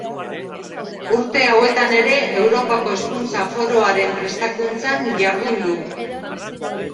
Urte hauetan ere Europako Hezkuntza Foroaren prestakuntzan jardun du.